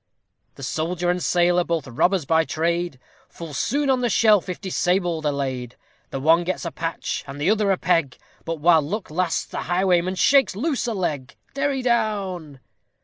_ The soldier and sailor, both robbers by trade, Full soon on the shelf, if disabled, are laid; The one gets a patch, and the other a peg, But, while luck lasts, the highwayman shakes a loose leg! _Derry down.